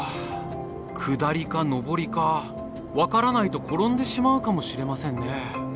下りか上りか分からないと転んでしまうかもしれませんね。